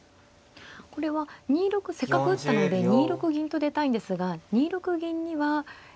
これはせっかく打ったので２六銀と出たいんですが２六銀には。